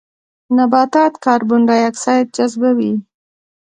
نباتات کاربن ډای اکسایډ جذبوي